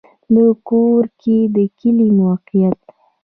د ګورکي کلی موقعیت